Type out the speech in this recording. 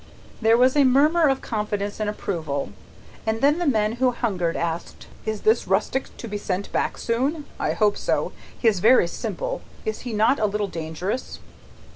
There was a murmur of confidence and approval, and then the man who hungered, asked: "Is this rustic to be sent back soon? I hope so. He is very simple; is he not a little dangerous?"